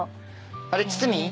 ・あれっ？堤？